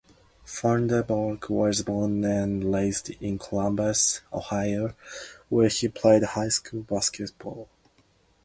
Funderburke was born and raised in Columbus, Ohio, where he played high school basketball.